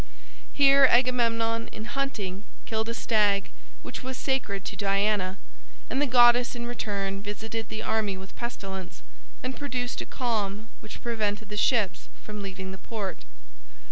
Here Agamemnon in hunting killed a stag which was sacred to Diana, and the goddess in return visited the army with pestilence, and produced a calm which prevented the ships from leaving the port.